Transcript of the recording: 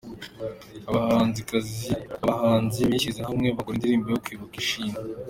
Abahanzi bishyize hamwe bakora indirimbo yo kwibuka ishimwe